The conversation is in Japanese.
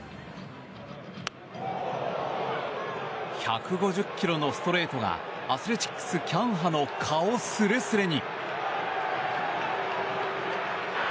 １５０キロのストレートがアスレチックス、キャンハの顔すれすれに。